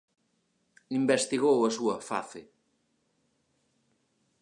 Investigou a súa face.